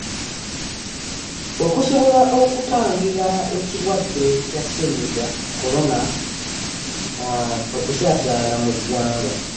Okusobola okutangira ekirwadde kya Ssennyiga Corona okusaasaana mu ggwanga.